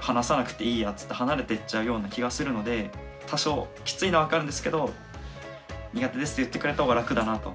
話さなくていいやっつって離れていっちゃうような気がするので多少きついのは分かるんですけど「苦手です」って言ってくれた方が楽だなと。